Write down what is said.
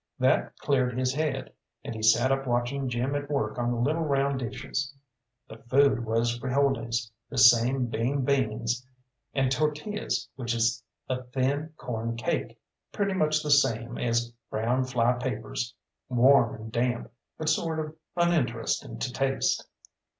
That cleared his head, and he sat up watching Jim at work on the little round dishes. The food was frijoles, the same being beans, and tortillas, which is a thin corn cake, pretty much the same as brown fly papers, warm and damp, but sort of uninteresting to taste.